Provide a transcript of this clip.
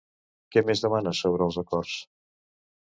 Què més demana sobre els acords?